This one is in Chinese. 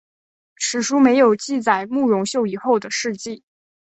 史书没有记载慕容秀以后的事迹。